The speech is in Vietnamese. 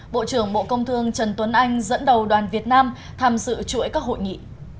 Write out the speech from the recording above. bộ trưởng bộ công thương trần tuấn anh dẫn đầu đoàn việt nam tham dự chuỗi các hội nghị